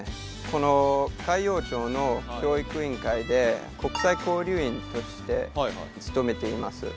この海陽町の教育委員会で国際交流員として勤めています。